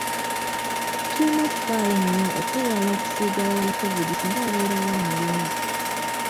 Tulina okufayo enyo okwewala okusiiga abalala Covid singa wabeerawo amulina.